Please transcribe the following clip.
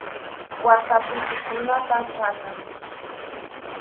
Wasa tullukunapa chakan.